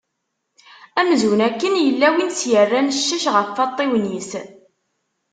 Amzun akken yella win s-yerran ccac ɣef waṭṭiwen-is.